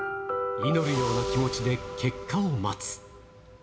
祈るような気持ちで結果を待つ。